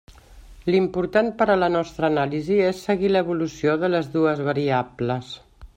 L'important per a la nostra anàlisi és seguir l'evolució de les dues variables.